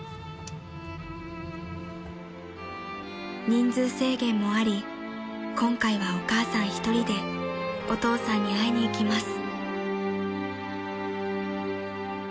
［人数制限もあり今回はお母さん１人でお父さんに会いに行きます］